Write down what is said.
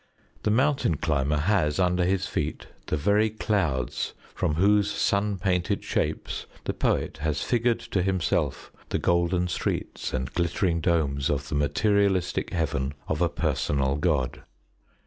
The mountain climber has under his feet the very clouds from whose sun painted shapes the poet has figured to himself the golden streets and glittering domes of the materialistic Heaven of a personal God.